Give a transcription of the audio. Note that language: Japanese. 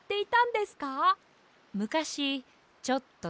むかしちょっとね。